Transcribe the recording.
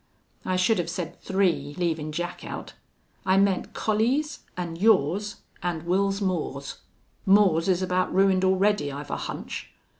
"I should have said three, leavin' Jack out. I meant Collie's an' yours an' Wils Moore's." "Moore's is about ruined already, I've a hunch."